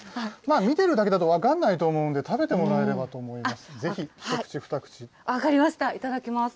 見てるだけだと分かんないと思うんで、食べてもらえればと思います。